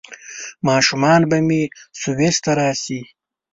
ماشومان به مې سویس ته راشي؟